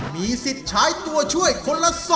มีสิทธิ์ใช้ตัวช่วยคนละ๒